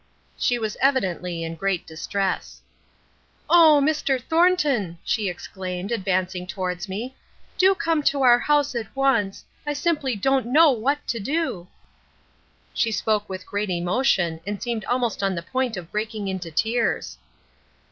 "She was evidently in great distress. "'Oh, Mr. Thornton,' she exclaimed, advancing towards me, 'do come to our house at once. I simply don't know what to do.' "She spoke with great emotion, and seemed almost on the point of breaking into tears.